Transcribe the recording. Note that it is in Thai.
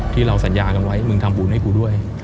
ที่เราสัญญากันไว้มึงทำบุญให้กูด้วย